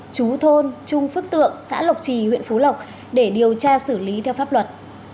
chú thôn trung phước tượng xã lộc trì huyện phú lộc để điều tra xử lý theo pháp luật